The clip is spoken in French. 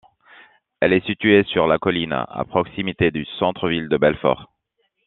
Elle est située sur la colline, à proximité du centre ville de Belfort.